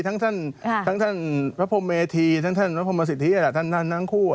ทั้งท่านพระพรมเมธีทั้งท่านพระพรหมสิทธิท่านทั้งคู่